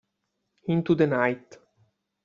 Into the Night